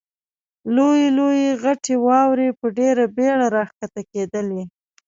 لویې لویې غټې واورې په ډېره بېړه را کښته کېدلې.